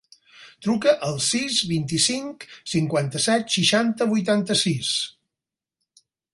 Truca al sis, vint-i-cinc, cinquanta-set, seixanta, vuitanta-sis.